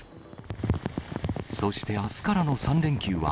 そしてあすからの３連休は、